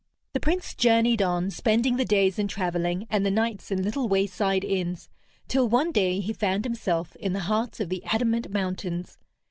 The Prince journeyed on, spending the days in traveling, and the nights in little wayside inns, till one day he found himself in the heart of the Adamant Mountains.